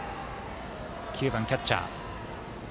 ９番、キャッチャー。